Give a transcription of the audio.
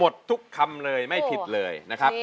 ได้เลย